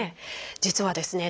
実はですね